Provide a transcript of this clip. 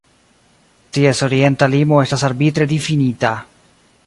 Ties orienta limo estas arbitre difinita.